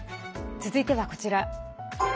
続いてはこちら。